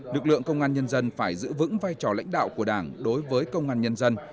lực lượng công an nhân dân phải giữ vững vai trò lãnh đạo của đảng đối với công an nhân dân